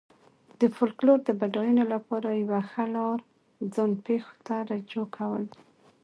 د فولکلور د بډاینې لپاره یوه ښه لار ځان پېښو ته رجوع کول دي.